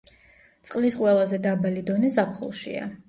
წყლის ყველაზე დაბალი დონე ზაფხულშია.